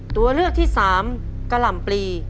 ตัวเลือกที่สามกะหล่ำปลี